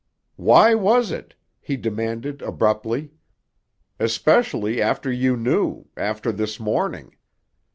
"Why was it?" he demanded abruptly. "Especially after you knew—after this morning.